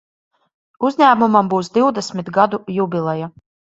Uzņēmumam būs divdesmit gadu jubileja.